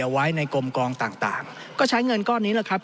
ไว้ในกลมกองต่างก็ใช้เงินก้อนนี้แหละครับ